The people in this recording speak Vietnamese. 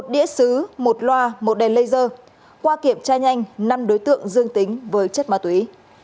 một đĩa xứ một loa một đèn laser qua kiểm tra nhanh năm đối tượng dương tính với chất ma túy